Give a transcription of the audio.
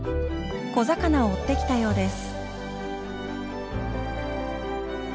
小魚を追ってきたようです。